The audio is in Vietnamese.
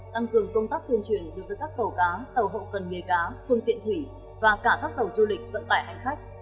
tăng cường công tác tuyên truyền đối với các tàu cá tàu hậu cần nghề cá phương tiện thủy và cả các tàu du lịch vận tải hành khách